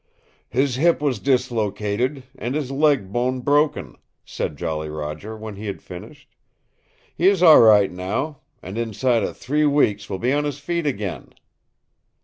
"His hip was dislocated and his leg bone broken," said Jolly Roger when he had finished. "He is all right now, and inside of three weeks will be on his feet again."